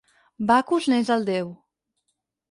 Bacus n'és el Déu.